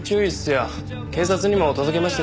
警察にも届けましたし。